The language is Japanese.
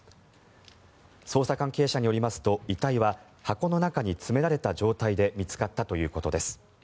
捜査関係者によりますと遺体は箱の中に詰められた状態で見つかったということです。